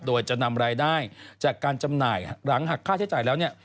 โดยจะนำรายได้จากการจำหน่ายหลังหักค่าใช้จ่ายแล้วเนี่ย